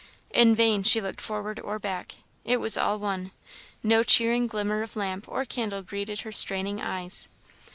In vain she looked forward or back; it was all one; no cheering glimmer of lamp or candle greeted her straining eyes.